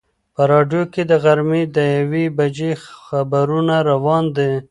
په راډیو کې د غرمې د یوې بجې خبرونه روان دي.